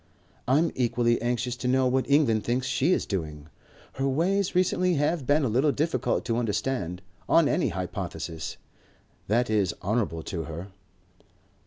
"I'm equally anxious to know what England thinks she is doing. Her ways recently have been a little difficult to understand. On any hypothesis that is honourable to her."